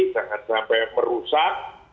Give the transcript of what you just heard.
jangan sampai merusak